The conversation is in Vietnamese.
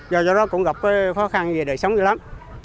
do đó cũng gặp cái khó khăn gì để sống như lắm